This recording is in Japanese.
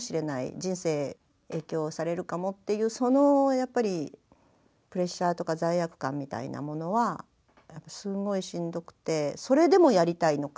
人生影響されるかもっていうそのやっぱりプレッシャーとか罪悪感みたいなものはすごいしんどくてそれでもやりたいのか